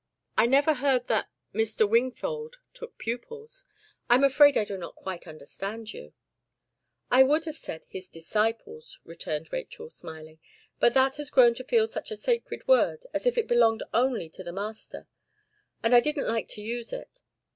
"I never heard that Mr. Wingfold took pupils. I am afraid I do not quite understand you. "I would have said DISCIPLES," returned Rachel smiling; "but that has grown to feel such a sacred word as if it belonged only to the Master, that I didn't like to use it.